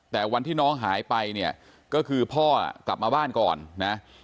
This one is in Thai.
แต่วันที่น้องหายไปเนี่ยก็คือพ่อกลับมาบ้านก่อนนะ